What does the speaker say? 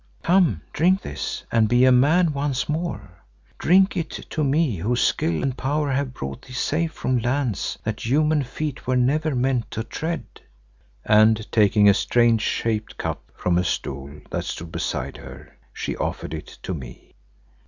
Come, drink this and be a man once more. Drink it to me whose skill and power have brought thee safe from lands that human feet were never meant to tread," and taking a strange shaped cup from a stool that stood beside her, she offered it to me.